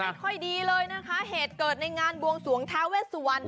ค่อยดีเลยนะคะเหตุเกิดในงานบวงสวงท้าเวสวรรณ